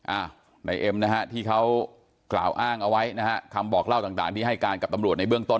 อ้าวนายเอ็มนะฮะที่เขากล่าวอ้างเอาไว้นะฮะคำบอกเล่าต่างที่ให้การกับตำรวจในเบื้องต้น